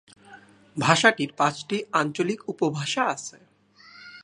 ভাষাটির পাঁচটি আঞ্চলিক উপভাষা আছে।